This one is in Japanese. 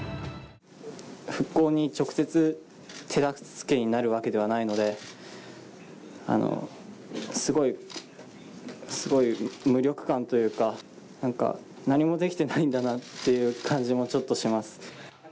復興に直接手助けになるわけではないので、すごいすごい無力感というか、なんか、何もできてないんだなという感じもちょっとします。